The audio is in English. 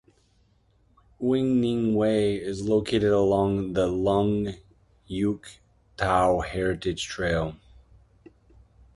Wing Ning Wai is located along the Lung Yeuk Tau Heritage Trail.